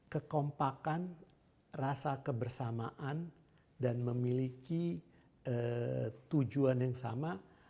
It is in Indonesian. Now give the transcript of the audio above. kekompakan rasa kebersamaan dan memiliki tujuan yang sama